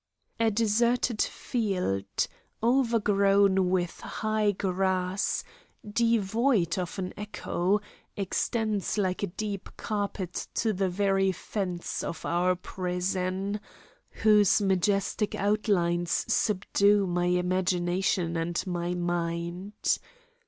A deserted field, overgrown with high grass, devoid of an echo, extends like a deep carpet to the very fence of our prison, whose majestic outlines subdue my imagination and my mind.